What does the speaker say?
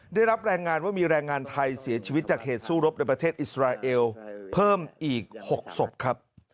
ได้รับรายงานว่ามีแรงงานไทยเสียชีวิตจากเหตุสู้รบในประเทศอิสราเอลเพิ่มอีก๖ศพครับ